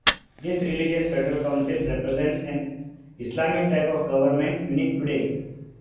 This religious federal council represents an "Islamic type of government" unique today.